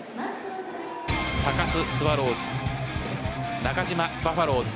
高津スワローズ中嶋バファローズ。